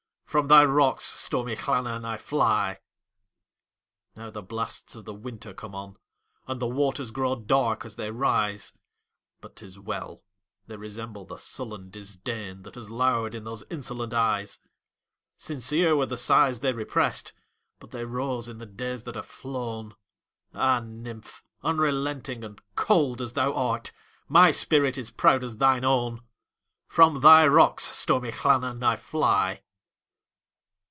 From thy rocks, stormy Llannon, I fly. Now the blasts of the winter come on, And the waters grow dark as they rise! But 't is well!—they resemble the sullen disdainThat has lowered in those insolent eyes. Sincere were the sighs they represt, But they rose in the days that are flown! Ah, nymph! unrelenting and cold as thou art, My spirit is proud as thine own! From thy rocks, stormy Llannon, I fly.